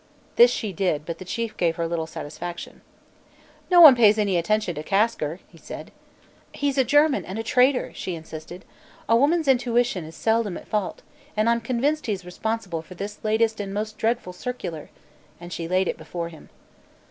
This she did, but the Chief gave her little satisfaction. "No one pays any attention to Kasker," he said. "He's a German, and a traitor!" she insisted. "A woman's intuition is seldom at fault, and I'm convinced he's responsible for this latest and most dreadful circular," and she laid it before him.